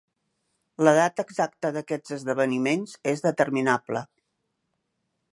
La data exacta d'aquests esdeveniments és determinable.